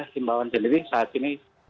himbawan sendiri saat ini